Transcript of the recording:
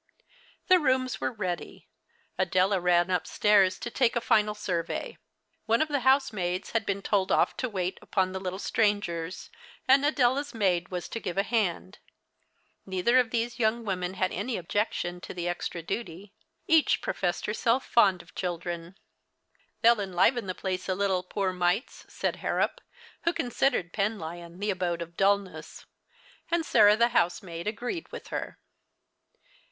The rooms were ready. Adela ran uj^stairs to take a final survey. One of the housemaids had been told off to wait U23on the little strangers ; and Adela's maid was to give a hand. Neither of these young women had The Christmas Hirelings. 91 any objection to the extra duty. Each professed herself foud of children. " They'll enliven the phxce a little, poor mites," said Harrop, who considered Penlyon the abode of dullness ; and Sarah the housemaid agreed with her.